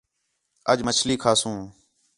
اَڄ مچھلی کھاسوں